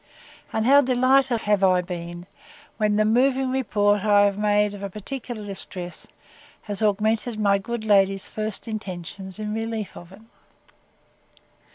—And how delighted have I been, when the moving report I have made of a particular distress, has augmented my good lady's first intentions in relief of it!